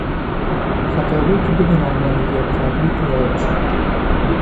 خطابهای که بدون آمادگی قبلی ارائه میشود